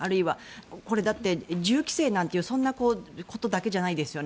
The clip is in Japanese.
これだって、銃規制なんてそんなことだけじゃないですよね。